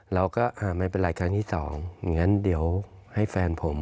เราก็ไม่เป็นไรครั้งที่สองงั้นเดี๋ยวให้แฟนผม